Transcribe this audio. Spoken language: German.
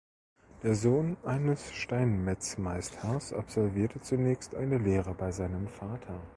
Der Sohn eines Steinmetzmeisters absolvierte zunächst eine Lehre bei seinem Vater.